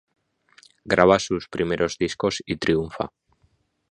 Graba sus primeros discos y triunfa.